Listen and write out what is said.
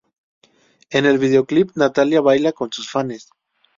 En el videoclip, Natalia baila con sus fanes.